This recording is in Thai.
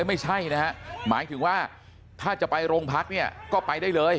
ไม่ใช่นะฮะหมายถึงว่าถ้าจะไปโรงพักเนี่ยก็ไปได้เลย